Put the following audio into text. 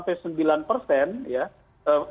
ini fluktuatif dari